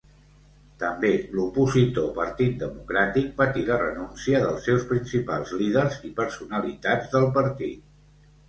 També l'opositor Partit Democràtic patí la renúncia dels seus principals líders i personalitats del partit.